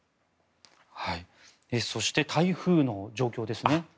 そして台風の状況ですね。